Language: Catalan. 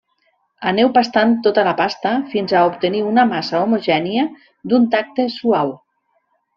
Aneu pastant tota la pasta fins a obtenir una massa homogènia i d'un tacte suau.